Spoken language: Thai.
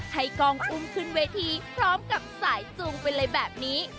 ให้กองอุ้มขึ้นเวทีพร้อมกับสายจูงไปเลยแบบนี้